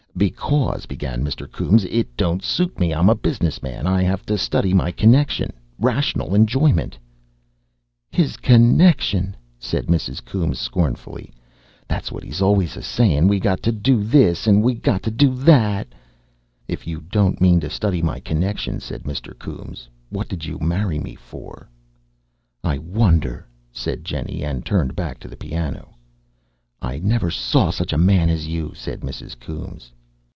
"Because," began Mr. Coombes, "it don't suit me. I'm a business man. I 'ave to study my connection. Rational 'njoyment " "His connection!" said Mrs. Coombes scornfully. "That's what he's always a saying. We got to do this, and we got to do that " "If you don't mean to study my connection," said Mr. Coombes, "what did you marry me for?" "I wonder," said Jennie, and turned back to the piano. "I never saw such a man as you," said Mrs. Coombes.